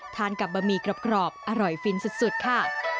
ทานกับบะหมี่กรอบอร่อยฟินสุดค่ะ